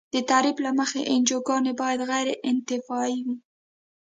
د تعریف له مخې انجوګانې باید غیر انتفاعي وي.